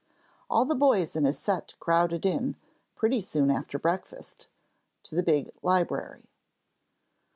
All the boys in his set crowded in, pretty soon after breakfast, to the big library.